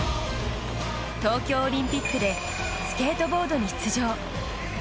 東京オリンピックでスケートボードに出場。